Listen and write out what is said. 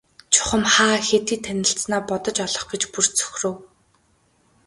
Чухам хаа хэдийд танилцсанаа бодож олох гэж бүр цөхрөв.